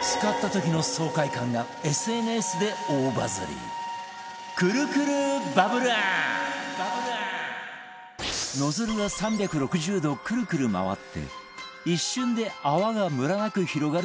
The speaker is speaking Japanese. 使った時の爽快感が ＳＮＳ で大バズりノズルが３６０度くるくる回って一瞬で泡がムラなく広がる便利グッズ